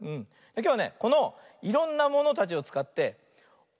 きょうはねこのいろんなものたちをつかっておとしずもうをやってみるよ。